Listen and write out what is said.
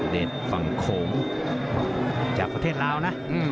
เดชฝั่งโขงจากประเทศลาวนะ